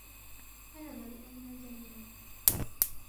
كان بريئاً من الجريمة.